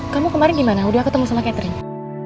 kamu kemarin gimana udah ketemu sama catering